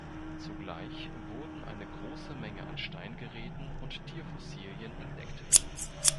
Zugleich wurden eine große Menge an Steingeräten und Tierfossilien entdeckt.